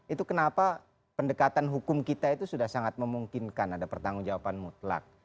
itu kenapa pendekatan hukum kita itu sudah sangat memungkinkan ada pertanggung jawaban mutlak